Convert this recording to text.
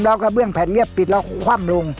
แล้วกระเบื้องแผ่นเรียบปิดแล้วคว่ำลง